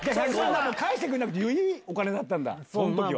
返してくれなくていいお金だったんだその時は。